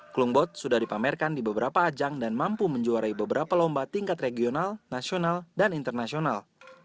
klumbot sudah dipamerkan di beberapa ajang dan mampu menjuarai beberapa lomba tingkat regional nasional dan internasional